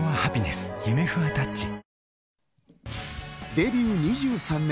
デビュー２３年。